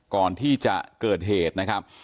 ก่อนที่จะเกิดเหตุนะครับ